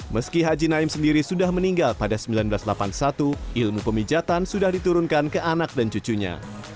meski haji naim sendiri sudah meninggal pada seribu sembilan ratus delapan puluh satu ilmu pemijatan sudah diturunkan ke anak dan cucunya